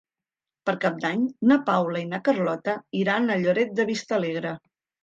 Per Cap d'Any na Paula i na Carlota iran a Lloret de Vistalegre.